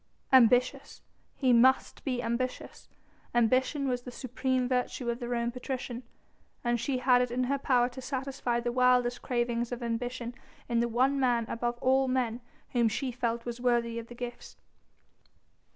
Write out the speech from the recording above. Ambitious? He must be ambitious! Ambition was the supreme virtue of the Roman patrician! And she had it in her power to satisfy the wildest cravings of ambition in the one man above all men whom she felt was worthy of the gifts.